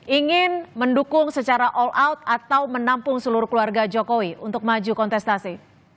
ingin mendukung secara all out atau menampung seluruh keluarga jokowi untuk maju kontestasi